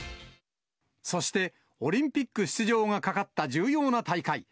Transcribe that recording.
そして、オリンピック出場がかかった重要な大会。